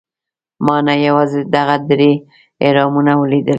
ما نه یوازې دغه درې اهرامونه ولیدل.